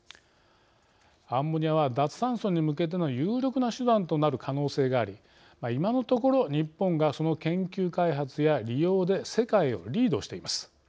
アンモニアは脱炭素に向けての有力な手段となる可能性があり今のところ日本がその研究開発や利用で世界をリードしています。